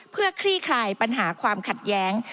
เพื่อคลี่คลายปัญหาความขัดแย้ง